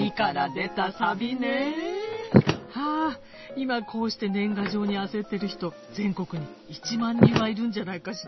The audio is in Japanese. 今こうして年賀状に焦ってる人全国に１万人はいるんじゃないかしら。